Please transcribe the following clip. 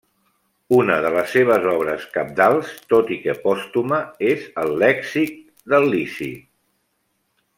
Una de les seves obres cabdals, tot i que pòstuma, és el lèxic del lici.